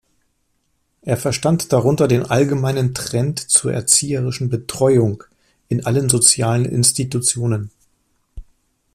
Er verstand darunter den allgemeinen Trend zur erzieherischen „Betreuung“ in allen sozialen Institutionen.